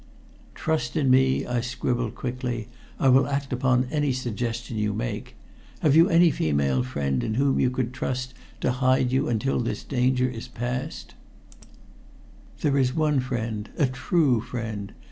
"Trust in me," I scribbled quickly. "I will act upon any suggestion you make. Have you any female friend in whom you could trust to hide you until this danger is past?" "There is one friend a true friend.